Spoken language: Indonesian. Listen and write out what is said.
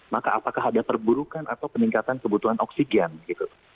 maka apakah ada perburukan atau peningkatan kebutuhan oksigen gitu